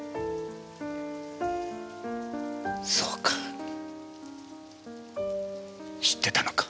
そうか知ってたのか。